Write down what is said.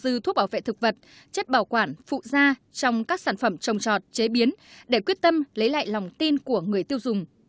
như thuốc bảo vệ thực vật chất bảo quản phụ da trong các sản phẩm trồng trọt chế biến để quyết tâm lấy lại lòng tin của người tiêu dùng